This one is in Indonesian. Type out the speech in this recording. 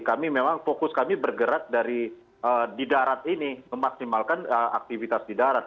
kami memang fokus kami bergerak dari di darat ini memaksimalkan aktivitas di darat